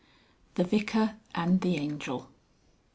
THE VICAR AND THE ANGEL.